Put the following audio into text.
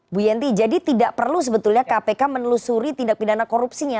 bu yanti jadi tidak perlu sebetulnya kpk menelusuri tindak pidana korupsinya